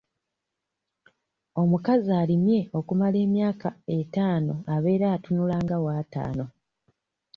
Omukazi alimye okumala emyaka etaano abeera atunulanga w'ataano.